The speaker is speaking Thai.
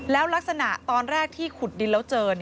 แล้วลักษณะตอนแรกที่ขุดดินแล้วเจอ